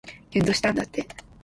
きゅんとしたんだって